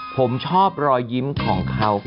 ผมชอบรอยยิ้มของเขา